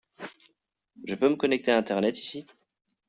Je peux me connecter à Internet ici ?